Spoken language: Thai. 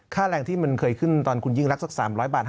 แรงที่มันเคยขึ้นตอนคุณยิ่งรักสัก๓๐๐บาท